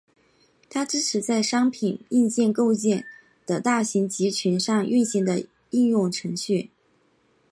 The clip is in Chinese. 它支持在商品硬件构建的大型集群上运行的应用程序。